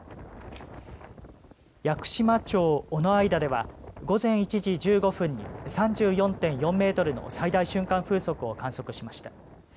屋久島町尾之間では午前１時１５分に３４．４メートルの最大瞬間風速を観測しました。